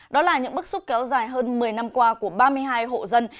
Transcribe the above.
đó là những bức xúc kéo dài hơn một mươi năm qua của ba mươi hai hộ dân